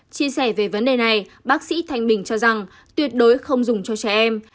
chia sẻ về vấn đề này bác sĩ thanh bình cho rằng tuyệt đối không dùng cho trẻ em